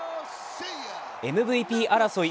ＭＶＰ争い